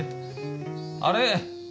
あれ？